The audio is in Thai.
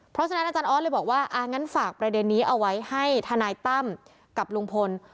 เพราะฉะนั้นอาจารย์ออสเลยบอกว่าอ่างั้นฝากประเด็นนี้เอาไว้ให้ทนายตั้มกับลุงพล